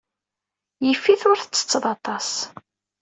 Yif-it ur tettetteḍ aṭas.